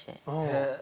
へえ。